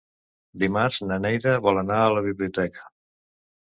Dimarts na Neida vol anar a la biblioteca.